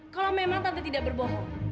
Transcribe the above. kalau memang tante tidak berbohong